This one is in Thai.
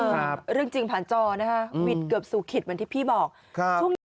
แล้วไปสู่ขิตเหมือนที่พี่บอก